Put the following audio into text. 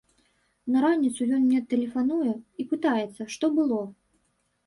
На раніцу ён мне тэлефануе і пытаецца, што было.